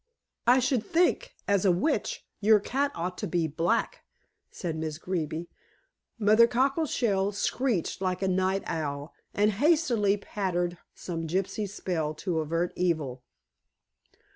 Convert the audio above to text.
"I should think, as a witch, your cat ought to be black," said Miss Greeby. Mother Cockleshell screeched like a night owl and hastily pattered some gypsy spell to avert evil.